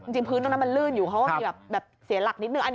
พื้นตรงนั้นมันลื่นอยู่เขาก็มีแบบเสียหลักนิดนึง